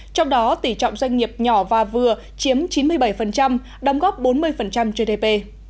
trong đó tỉ trọng doanh nghiệp nhỏ và vừa chiếm chín mươi bảy đóng góp bốn mươi gdp